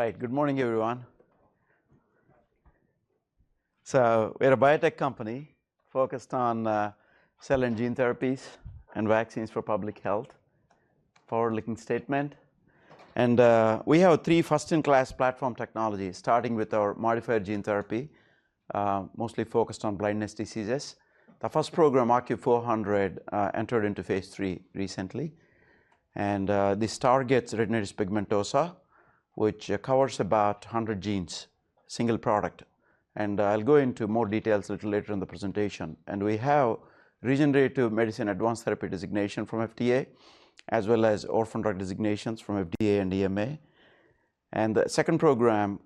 All right, good morning, everyone. So we're a biotech company focused on cell and gene therapies and vaccines for public health. Forward-looking statement. We have three first-in-class platform technologies, starting with our modifier gene therapy, mostly focused on blindness diseases. The first program, OCU400, entered into phase III recently. This targets retinitis pigmentosa, which covers about 100 genes, single product. I'll go into more details a little later in the presentation. We have Regenerative Medicine Advanced Therapy designation from FDA, as well as orphan drug designations from FDA and EMA. T he second program,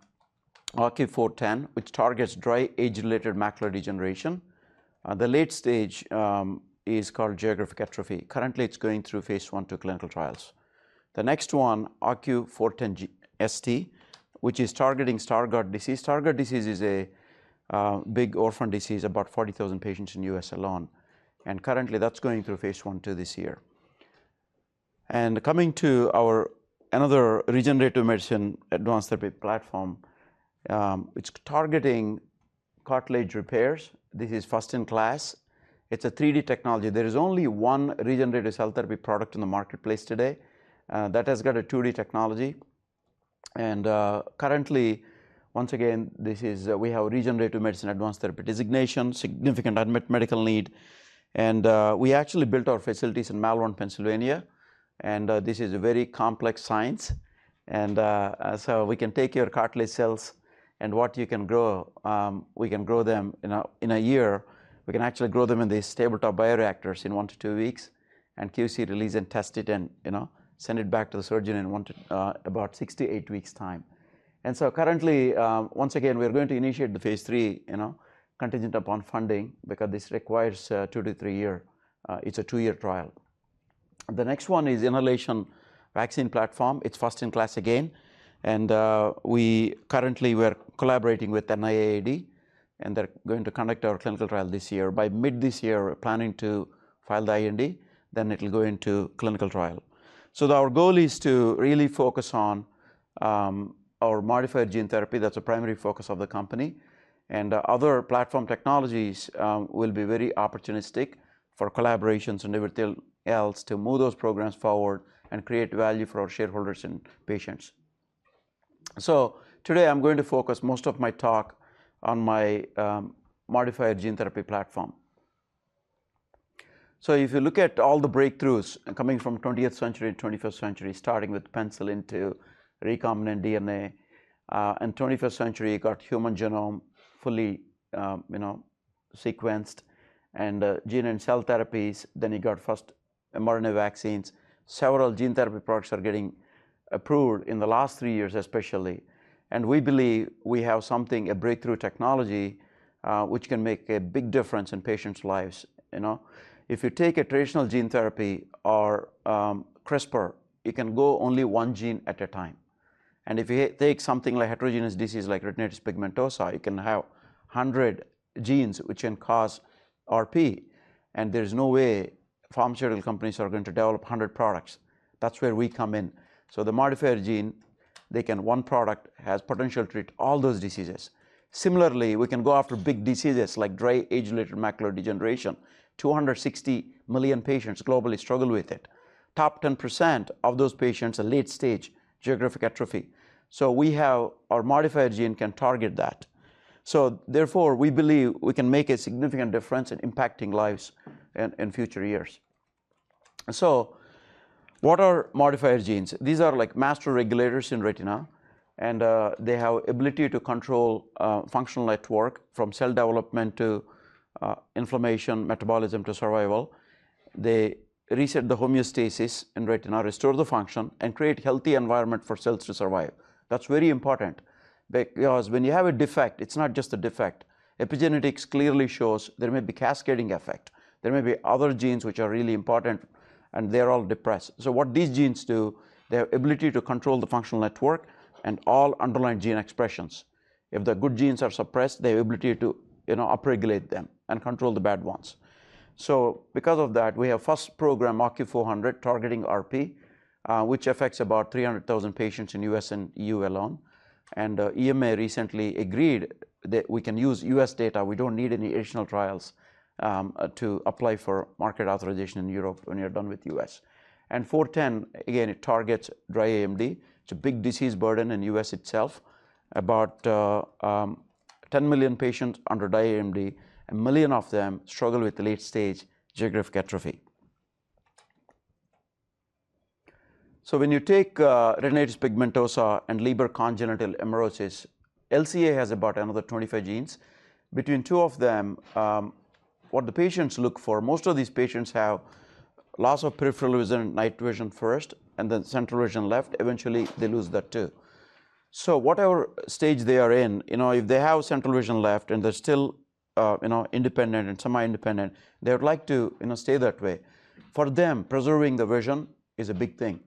OCU410, which targets dry age-related macular degeneration, the late stage, is called geographic atrophy. Currently, it's going through phase 1/2 clinical trials. The next one, OCU410ST, which is targeting Stargardt disease. Stargardt disease is a big orphan disease, about 40,000 patients in the U.S. alone. Currently, that's going through phase 1/2 this year. Coming to our another Regenerative Medicine Advanced Therapy platform, it's targeting cartilage repairs. This is first-in-class. It's a 3D technology. There is only one regenerative cell therapy product in the marketplace today, that has got a 2D technology. Currently, once again, this is, we have Regenerative Medicine Advanced Therapy designation, significant unmet medical need. We actually built our facilities in Malvern, Pennsylvania. This is a very complex science. So we can take your cartilage cells and what you can grow, we can grow them in a year. We can actually grow them in these tabletop bioreactors in 1-2 weeks. And QC release and test it and, you know, send it back to the surgeon in one to, about 6-8 weeks' time. So currently, once again, we're going to initiate the phase III, you know, contingent upon funding because this requires a two- to three-year, it's a two-year trial. The next one is inhalation vaccine platform. It's first-in-class again. And we currently are collaborating with NIAID. And they're going to conduct our clinical trial this year. By mid this year, we're planning to file the IND. Then it'll go into clinical trial. So our goal is to really focus on our modifier gene therapy. That's the primary focus of the company. And other platform technologies will be very opportunistic for collaborations and everything else to move those programs forward and create value for our shareholders and patients. So today, I'm going to focus most of my talk on my modifier gene therapy platform. So if you look at all the breakthroughs coming from 20th century to 21st century, starting with penicillin to recombinant DNA, in the 21st century, you got human genome fully, you know, sequenced and, gene and cell therapies. Then you got first mRNA vaccines. Several gene therapy products are getting approved in the last three years, especially. And we believe we have something, a breakthrough technology, which can make a big difference in patients' lives, you know. If you take a traditional gene therapy or, CRISPR, you can go only one gene at a time. And if you take something like heterogeneous disease, like retinitis pigmentosa, you can have 100 genes which can cause RP. And there's no way pharmaceutical companies are going to develop 100 products. That's where we come in. So the modifier gene, they can one product has potential to treat all those diseases. Similarly, we can go after big diseases like dry age-related macular degeneration. 260 million patients globally struggle with it. Top 10% of those patients are late-stage Geographic Atrophy. So we have our modifier gene can target that. So therefore, we believe we can make a significant difference in impacting lives in future years. So what are modifier genes? These are like master regulators in retina. And, they have ability to control, functional network from cell development to, inflammation, metabolism, to survival. They reset the homeostasis in retina, restore the function, and create a healthy environment for cells to survive. That's very important because when you have a defect, it's not just a defect. Epigenetics clearly shows there may be cascading effect. There may be other genes which are really important, and they're all depressed. So what these genes do, they have ability to control the functional network and all underlying gene expressions. If the good genes are suppressed, they have ability to, you know, upregulate them and control the bad ones. So because of that, we have first program OCU400 targeting RP, which affects about 300,000 patients in the US and EU alone. EMA recently agreed that we can use US data. We don't need any additional trials, to apply for market authorization in Europe when you're done with the US. And OCU410, again, it targets dry AMD. It's a big disease burden in the US itself. About 10 million patients under dry AMD. 1 million of them struggle with late stage geographic atrophy. So when you take retinitis pigmentosa and Leber congenital amaurosis, LCA has about another 25 genes. Between two of them, what the patients look for, most of these patients have loss of peripheral vision, night vision first, and then central vision left. Eventually, they lose that too. So whatever stage they are in, you know, if they have central vision left and they're still, you know, independent and semi-independent, they would like to, you know, stay that way. For them, preserving the vision is a big thing.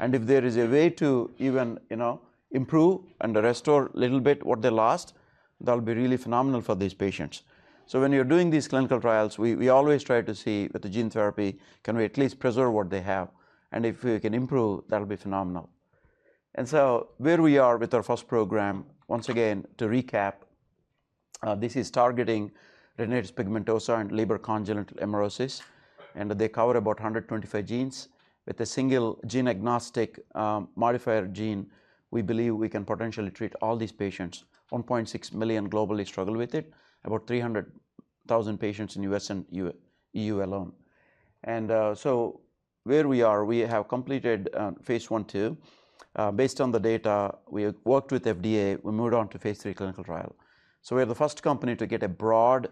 And if there is a way to even, you know, improve and restore a little bit what they lost, that'll be really phenomenal for these patients. So when you're doing these clinical trials, we always try to see with the gene therapy, can we at least preserve what they have? And if we can improve, that'll be phenomenal. And so where we are with our first program, once again, to recap, this is targeting retinitis pigmentosa and Leber congenital amaurosis. And they cover about 125 genes. With a single gene agnostic, modifier gene, we believe we can potentially treat all these patients. 1.6 million globally struggle with it. About 300,000 patients in the U.S. and EU alone. And so where we are, we have completed phase 1/2. Based on the data, we worked with FDA. We moved on to phase III clinical trial. So we're the first company to get a broad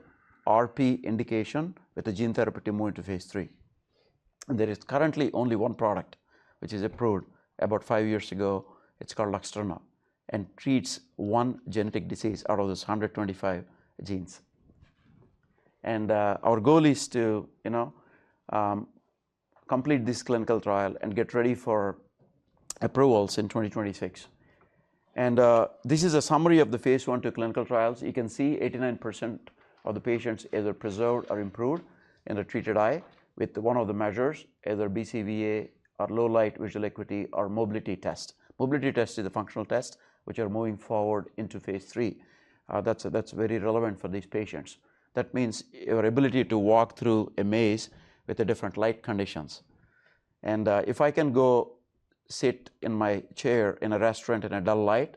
RP indication with a gene therapy to move into phase III. And there is currently only one product which is approved about 5 years ago. It's called Luxturna. And it treats one genetic disease out of those 125 genes. Our goal is to, you know, complete this clinical trial and get ready for approvals in 2026. This is a summary of the Phase 1/2 clinical trials. You can see 89% of the patients either preserved or improved in the treated eye with one of the measures, either BCVA or low light visual acuity or mobility test. Mobility test is a functional test which we're moving forward into phase III. That's very relevant for these patients. That means your ability to walk through a maze with different light conditions. And, if I can go sit in my chair in a restaurant in a dull light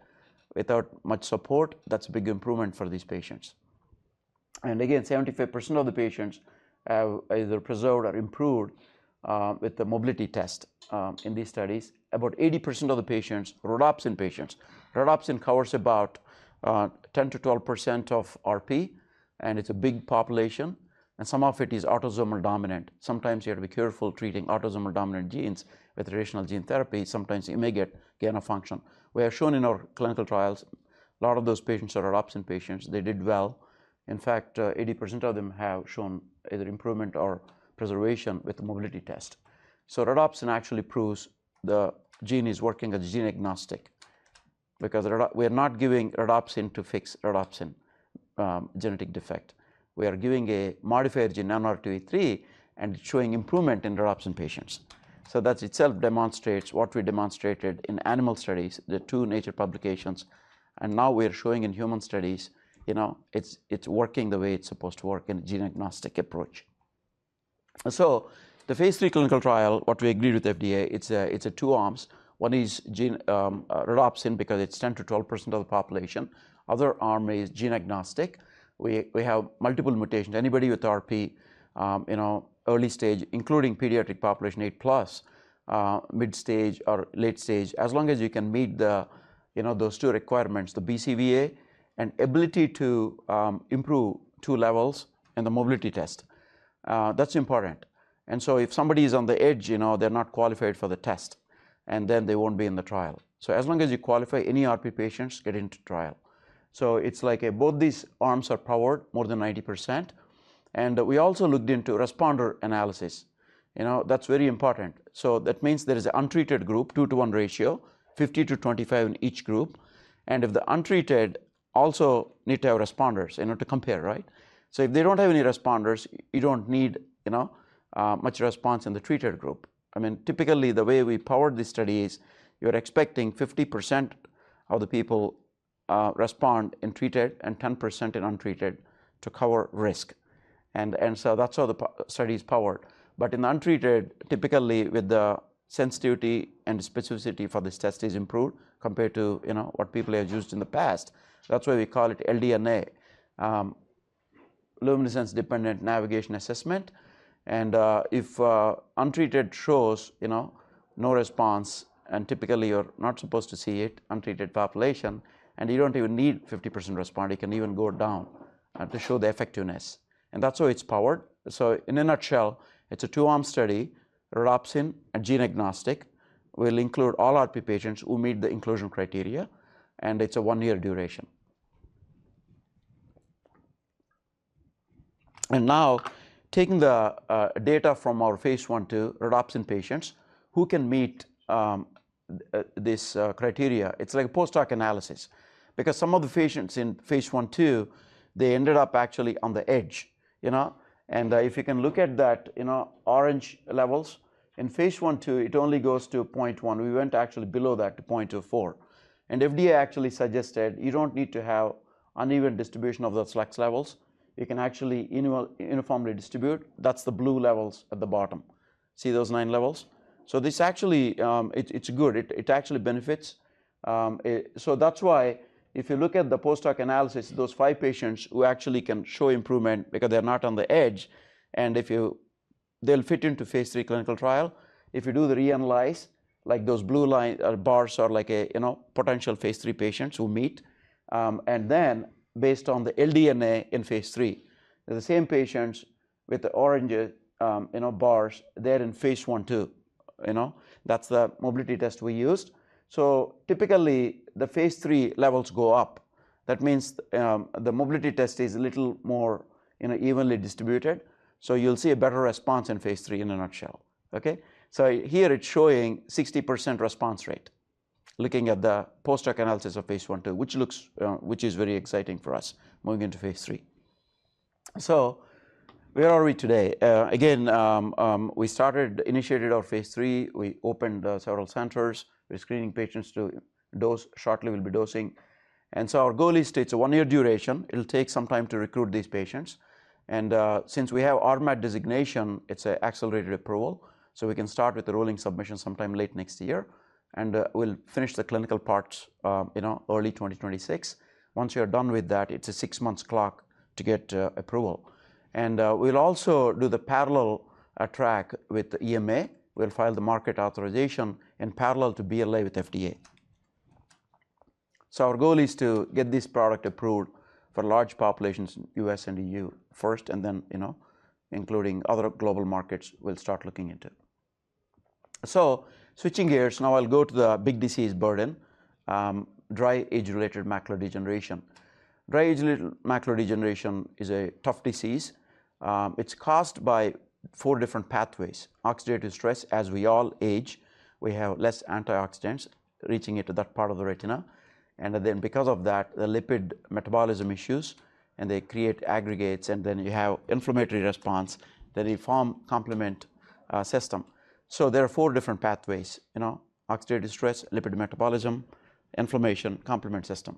without much support, that's a big improvement for these patients. And again, 75% of the patients have either preserved or improved, with the mobility test, in these studies. About 80% of the patients, rhodopsin patients, rhodopsin covers about 10%-12% of RP. It's a big population. Some of it is autosomal dominant. Sometimes you have to be careful treating autosomal dominant genes with additional gene therapy. Sometimes you may get gain of function. We have shown in our clinical trials, a lot of those patients are rhodopsin patients. They did well. In fact, 80% of them have shown either improvement or preservation with the mobility test. So rhodopsin actually proves the gene is working as a gene agnostic because we are not giving rhodopsin to fix rhodopsin genetic defect. We are giving a modified gene NR2E3 and showing improvement in rhodopsin patients. So that itself demonstrates what we demonstrated in animal studies, the two Nature publications. And now we are showing in human studies, you know, it's working the way it's supposed to work in a gene agnostic approach. So the phase III clinical trial, what we agreed with FDA, it's a two arms. One is gene, rhodopsin because it's 10%-12% of the population. Other arm is gene agnostic. We have multiple mutations. Anybody with RP, you know, early stage, including pediatric population 8+, mid stage or late stage, as long as you can meet the, you know, those two requirements, the BCVA and ability to improve two levels in the mobility test. That's important. So if somebody is on the edge, you know, they're not qualified for the test. And then they won't be in the trial. So as long as you qualify any RP patients get into trial. So it's like both these arms are powered, more than 90%. And we also looked into responder analysis. You know, that's very important. So that means there is an untreated group, 2-to-1 ratio, 50 to 25 in each group. And if the untreated also need to have responders, you know, to compare, right? So if they don't have any responders, you don't need, you know, much response in the treated group. I mean, typically, the way we powered these studies is you're expecting 50% of the people respond in treated and 10% in untreated to cover risk. And, and so that's how the study is powered. But in the untreated, typically, with the sensitivity and specificity for this test is improved compared to, you know, what people have used in the past. That's why we call it LDNA, Luminance Dependent Navigation Assessment. And if untreated shows, you know, no response, and typically you're not supposed to see it, untreated population, and you don't even need 50% respond, you can even go down to show the effectiveness. And that's how it's powered. So in a nutshell, it's a two-arm study, Rhodopsin and gene agnostic. We'll include all RP patients who meet the inclusion criteria. And it's a one-year duration. And now taking the data from our phase 1/2 Rhodopsin patients, who can meet this criteria? It's like a post hoc analysis because some of the patients in phase 1/2, they ended up actually on the edge, you know. And if you can look at that, you know, range levels, in phase 1/2, it only goes to 0.1. We went actually below that to 0.24. And FDA actually suggested you don't need to have uneven distribution of those baseline levels. You can actually uniformly distribute. That's the blue levels at the bottom. See those nine levels? So this actually, it's good. It, it actually benefits. So that's why if you look at the post hoc analysis, those five patients who actually can show improvement because they're not on the edge, and if you they'll fit into phase III clinical trial. If you do the re-analysis, like those blue lines or bars are like a, you know, potential phase III patients who meet. And then based on the LDNA in phase III, the same patients with the orange, you know, bars, they're in phase 1/2, you know. That's the mobility test we used. So typically, the phase III levels go up. That means, the mobility test is a little more, you know, evenly distributed. So you'll see a better response in phase III in a nutshell, okay? So here it's showing 60% response rate looking at the post hoc analysis of phase 1/2, which is very exciting for us moving into phase III. So where are we today? Again, we initiated our phase III. We opened several centers. We're screening patients to dose shortly. We'll be dosing. And so our goal is to, it's a one-year duration. It'll take some time to recruit these patients. And, since we have RMAT designation, it's an accelerated approval. So we can start with the rolling submission sometime late next year. And, we'll finish the clinical parts, you know, early 2026. Once you're done with that, it's a six-month clock to get approval. And, we'll also do the parallel track with the EMA. We'll file the market authorization in parallel to BLA with FDA. So our goal is to get this product approved for large populations in the US and EU first, and then, you know, including other global markets we'll start looking into. So switching gears, now I'll go to the big disease burden, dry age-related macular degeneration. Dry age-related macular degeneration is a tough disease. It's caused by four different pathways. Oxidative stress, as we all age, we have less antioxidants reaching into that part of the retina. And then because of that, the lipid metabolism issues, and they create aggregates. And then you have inflammatory response. Then you form complement system. So there are four different pathways, you know, oxidative stress, lipid metabolism, inflammation, complement system.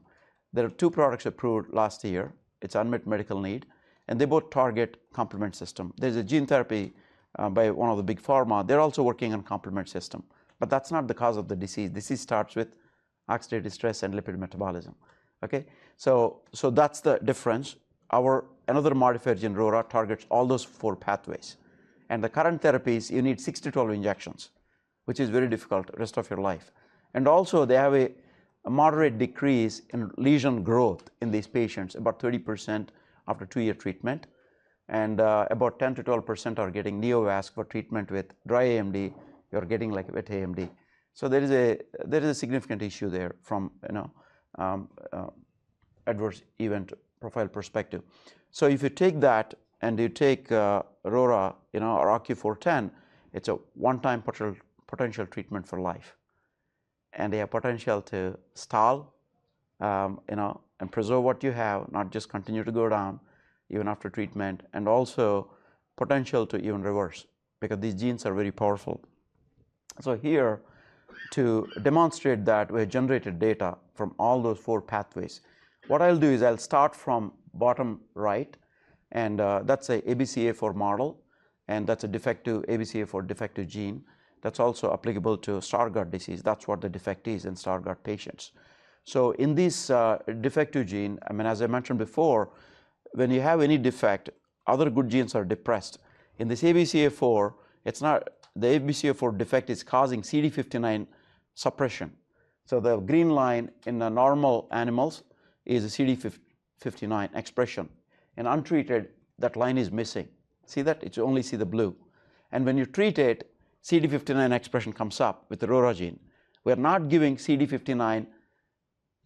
There are two products approved last year. It's unmet medical need. And they both target complement system. There's a gene therapy, by one of the big pharma. They're also working on complement system. But that's not the cause of the disease. The disease starts with oxidative stress and lipid metabolism, okay? So that's the difference. Our another modified gene RORA targets all those four pathways. And the current therapies, you need 6-12 injections, which is very difficult the rest of your life. And also, they have a moderate decrease in lesion growth in these patients, about 30% after 2-year treatment. And about 10%-12% are getting neovascular treatment with dry AMD. You're getting like wet AMD. So there is a significant issue there from, you know, adverse event profile perspective. So if you take that and you take, RORA, you know, or OCU410, it's a one-time potential treatment for life. They have potential to stall, you know, and preserve what you have, not just continue to go down even after treatment, and also potential to even reverse because these genes are very powerful. So here, to demonstrate that, we have generated data from all those four pathways. What I'll do is I'll start from bottom right. That's an ABCA4 model. That's a defective ABCA4 defective gene. That's also applicable to Stargardt disease. That's what the defect is in Stargardt patients. So in this, defective gene, I mean, as I mentioned before, when you have any defect, other good genes are depressed. In this ABCA4, it's not the ABCA4 defect is causing CD59 suppression. So the green line in normal animals is a CD59 expression. In untreated, that line is missing. See that? You only see the blue. When you treat it, CD59 expression comes up with the RORA gene. We are not giving CD59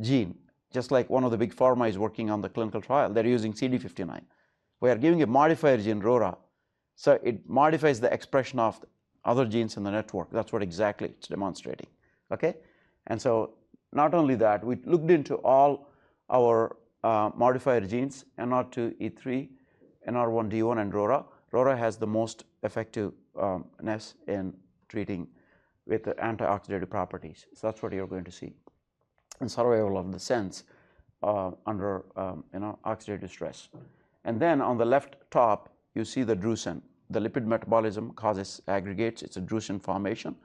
gene, just like one of the big pharma is working on the clinical trial. They're using CD59. We are giving a modified gene RORA. So it modifies the expression of other genes in the network. That's what exactly it's demonstrating, okay? And so not only that, we looked into all our modified genes, NR2E3, NR1D1, and RORA. RORA has the most effectiveness in treating with antioxidative properties. So that's what you're going to see. And survival of the cells, under, you know, oxidative stress. And then on the left top, you see the drusen. The lipid metabolism causes aggregates. It's a drusen formation.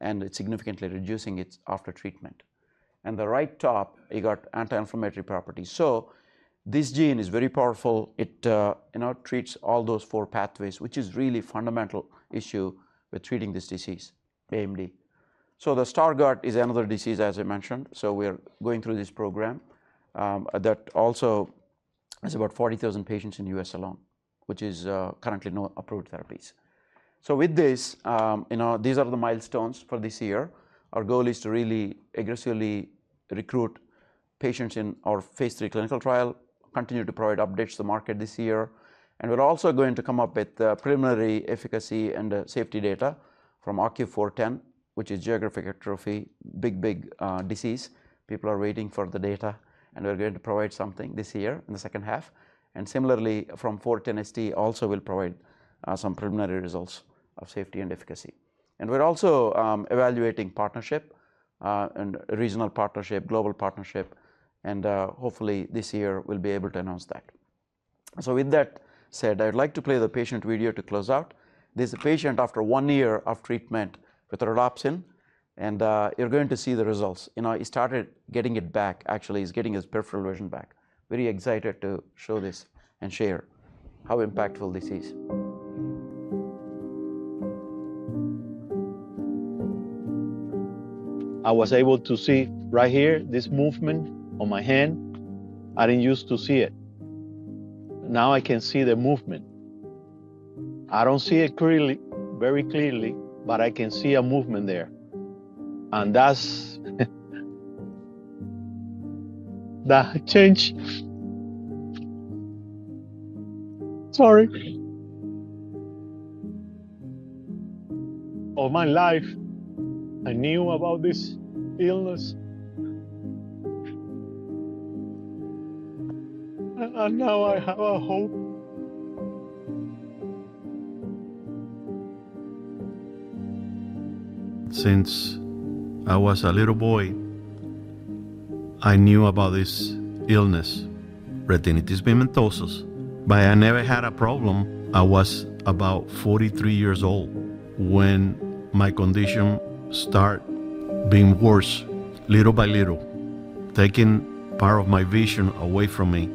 And it's significantly reducing its after treatment. And the right top, you got anti-inflammatory properties. So this gene is very powerful. It, you know, treats all those four pathways, which is really a fundamental issue with treating this disease, AMD. So the Stargardt is another disease, as I mentioned. So we are going through this program, that also has about 40,000 patients in the US alone, which is, currently no approved therapies. So with this, you know, these are the milestones for this year. Our goal is to really aggressively recruit patients in our phase III clinical trial, continue to provide updates to the market this year. And we're also going to come up with the preliminary efficacy and safety data from OCU410, which is geographic atrophy, big, big, disease. People are waiting for the data. And we're going to provide something this year in the second half. And similarly, from OCU410ST, also we'll provide, some preliminary results of safety and efficacy. We're also evaluating partnership, and regional partnership, global partnership. Hopefully, this year, we'll be able to announce that. So with that said, I would like to play the patient video to close out. This is a patient after 1 year of treatment with Rhodopsin. And you're going to see the results. You know, he started getting it back, actually. He's getting his peripheral vision back. Very excited to show this and share how impactful this is. I was able to see right here this movement on my hand. I didn't used to see it. Now I can see the movement. I don't see it clearly, very clearly, but I can see a movement there. And that's the change. Sorry. Of my life, I knew about this illness. And now I have a hope. Since I was a little boy, I knew about this illness, retinitis pigmentosa. But I never had a problem. I was about 43 years old when my condition started being worse little by little, taking part of my vision away from me.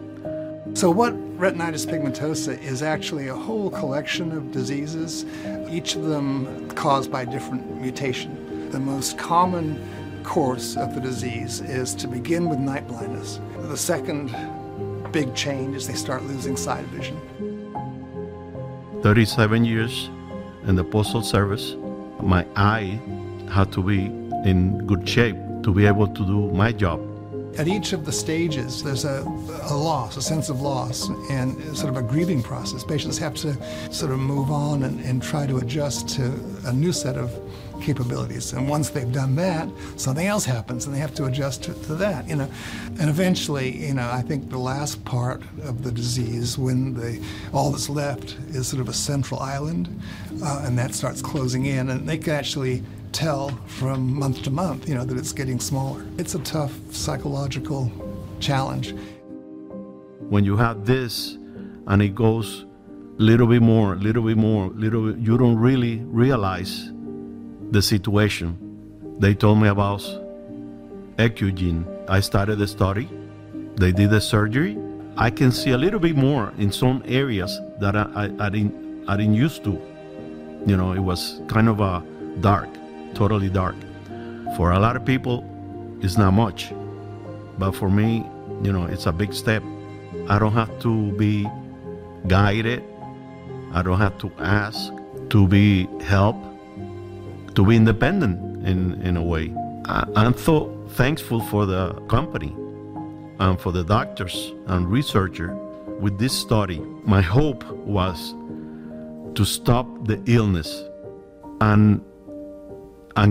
So what retinitis pigmentosa is actually a whole collection of diseases, each of them caused by different mutations. The most common course of the disease is to begin with night blindness. The second big change is they start losing side vision. 37 years in the postal service. My eye had to be in good shape to be able to do my job. At each of the stages, there's a loss, a sense of loss, and sort of a grieving process. Patients have to sort of move on and try to adjust to a new set of capabilities. And once they've done that, something else happens, and they have to adjust to that, you know. And eventually, you know, I think the last part of the disease, when all that's left is sort of a central island, and that starts closing in, and they can actually tell from month to month, you know, that it's getting smaller. It's a tough psychological challenge. When you have this, and it goes little bit more, little bit more, little bit, you don't really realize the situation. They told me about Ocugen. I started the study. They did the surgery. I can see a little bit more in some areas that I didn't used to. You know, it was kind of dark, totally dark. For a lot of people, it's not much. But for me, you know, it's a big step. I don't have to be guided. I don't have to ask to be helped, to be independent in a way. I'm so thankful for the company and for the doctors and researchers with this study. My hope was to stop the illness and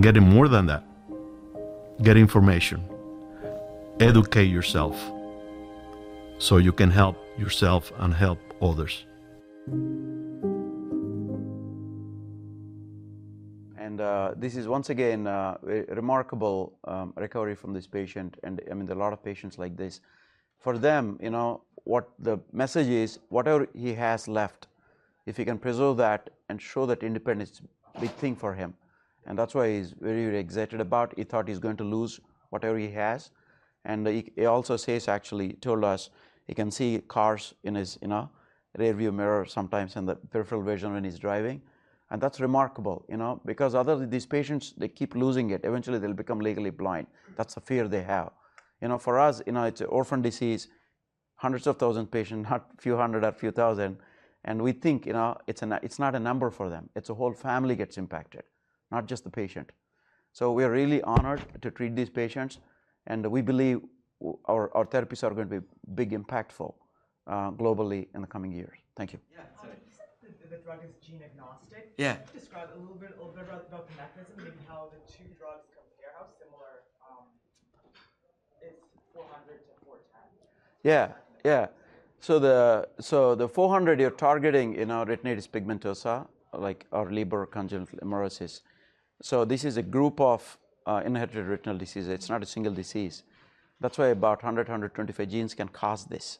get more than that, get information, educate yourself so you can help yourself and help others. This is once again a remarkable recovery from this patient. I mean, there are a lot of patients like this. For them, you know, what the message is, whatever he has left, if he can preserve that and show that independence, it's a big thing for him. That's why he's very, very excited about it. He thought he's going to lose whatever he has. He also says, actually, told us he can see cars in his, you know, rearview mirror sometimes in the peripheral vision when he's driving. That's remarkable, you know, because other than these patients, they keep losing it. Eventually, they'll become legally blind. That's the fear they have. You know, for us, you know, it's an orphan disease, hundreds of thousands of patients, not a few hundred, a few thousand. And we think, you know, it's not a number for them. It's a whole family that gets impacted, not just the patient. So we are really honored to treat these patients. And we believe our therapies are going to be big, impactful globally in the coming years. Thank you. Yeah. Sorry. You said that the drug is gene agnostic. Yeah. Can you describe a little bit about the mechanism, maybe how the two drugs compare, how similar is 400 to 410? Yeah. Yeah. So the 400 you're targeting in retinitis pigmentosa, like Leber congenital amaurosis. So this is a group of inherited retinal diseases. It's not a single disease. That's why about 100-125 genes can cause this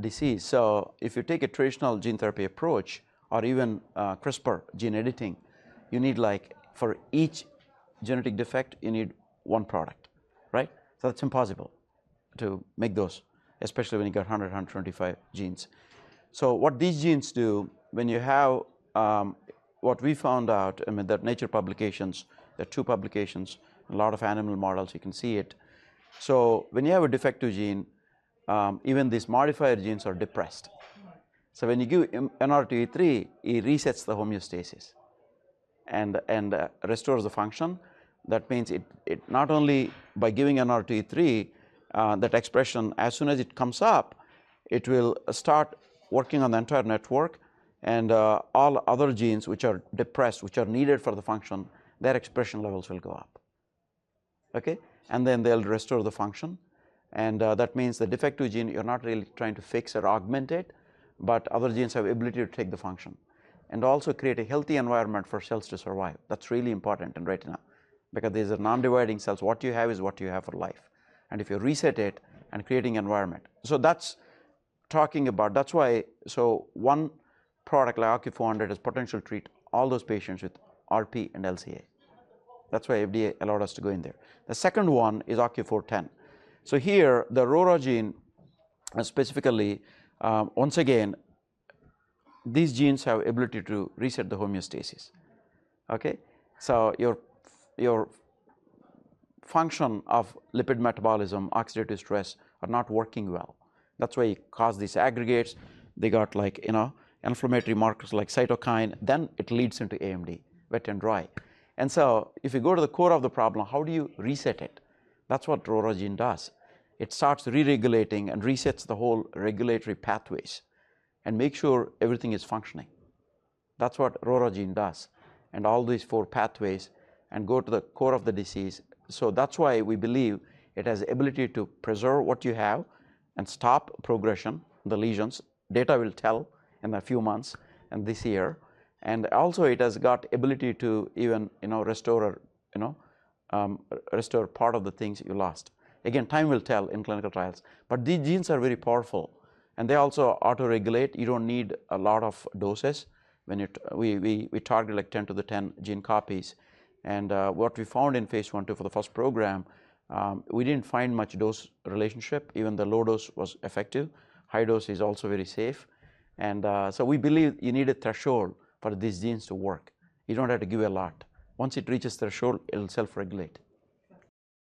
disease. So if you take a traditional gene therapy approach or even CRISPR gene editing, you need, like, for each genetic defect, you need one product, right? So that's impossible to make those, especially when you got 100, 125 genes. So what these genes do, when you have what we found out, I mean, there are Nature publications, there are two publications, a lot of animal models, you can see it. So when you have a defective gene, even these modified genes are depressed. So when you give NR2E3, it resets the homeostasis and restores the function. That means not only by giving NR2E3, that expression, as soon as it comes up, it will start working on the entire network. And all other genes which are depressed, which are needed for the function, their expression levels will go up, okay? And then they'll restore the function. And that means the defective gene, you're not really trying to fix or augment it, but other genes have the ability to take the function and also create a healthy environment for cells to survive. That's really important right now because these are non-dividing cells. What you have is what you have for life. And if you reset it and create an environment. So that's talking about that's why so one product like OCU400 is a potential treatment for all those patients with RP and LCA. That's why FDA allowed us to go in there. The second one is OCU410. So here, the RORA gene specifically, once again, these genes have the ability to reset the homeostasis, okay? So your function of lipid metabolism, oxidative stress, are not working well. That's why it caused these aggregates. They got, like, you know, inflammatory markers like cytokine. Then it leads into AMD, wet and dry. And so if you go to the core of the problem, how do you reset it? That's what RORA gene does. It starts re-regulating and resets the whole regulatory pathways and makes sure everything is functioning. That's what RORA gene does and all these four pathways and go to the core of the disease. So that's why we believe it has the ability to preserve what you have and stop progression, the lesions. Data will tell in a few months and this year. And also, it has got the ability to even, you know, restore or, you know, restore part of the things you lost. Again, time will tell in clinical trials. But these genes are very powerful. And they also autoregulate. You don't need a lot of doses. We target, like, 10 to the 10 gene copies. What we found in phase 1/2 for the first program, we didn't find much dose relationship. Even the low dose was effective. High dose is also very safe. So we believe you need a threshold for these genes to work. You don't have to give a lot. Once it reaches threshold, it'll self-regulate.